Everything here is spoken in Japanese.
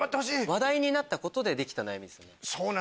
話題になったことでできた悩みですよね。